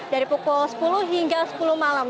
dari pukul sepuluh hingga sepuluh malam